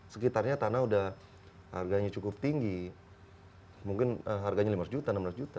sekitarnya tanah udah harganya cukup tinggi mungkin harganya lima ratus juta enam ratus juta